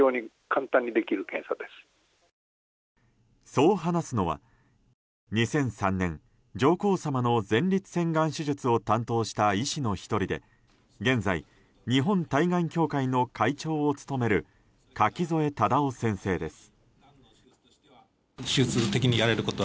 そう話すのは、２００３年上皇さまの前立腺がん手術を担当した医師の１人で現在、日本対がん協会の会長を務める垣添忠夫先生です。